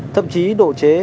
thậm chí độ chế